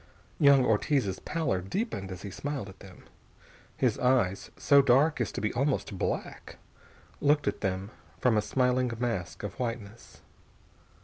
Young Ortiz's pallor deepened as he smiled at them. His eyes, so dark as to be almost black, looked at them from a smiling mask of whiteness.